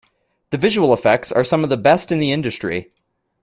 The visual effects are some of the best in the industry.